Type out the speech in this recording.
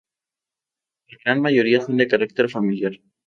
La gran mayoría son de carácter familiar.